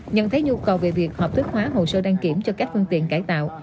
nhận thấy nhu cầu về việc hợp thức hóa hồ sơ đăng kiểm cho các phương tiện cải tạo